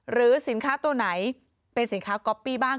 หรือสินค้าตัวไหนเป็นสินค้าก๊อปปี้บ้าง